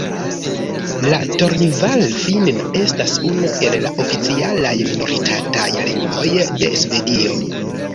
La Tornival-finna estas unu el la oficialaj minoritataj lingvoj de Svedio.